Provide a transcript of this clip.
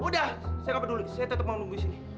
udah saya nggak peduli saya tetap mau tunggu di sini